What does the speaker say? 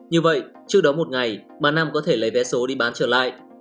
như vậy trước đó một ngày bà nam có thể lấy vé số đi bán trở lại